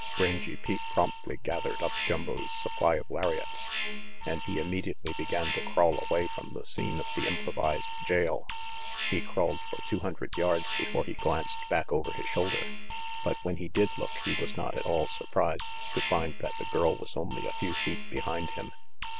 Rangy Pete promptly gathered up Jumbo's supply of lariats, and he immediately began to crawl away from the scene of the improvised jail. He crawled for two hundred yards before he glanced back over his shoulder, but when he did look he was not at all surprised to find that the girl was only a few feet behind him.